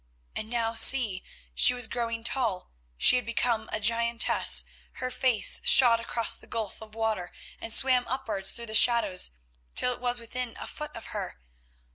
And now, see—she was growing tall, she had become a giantess, her face shot across the gulf of water and swam upwards through the shadows till it was within a foot of her.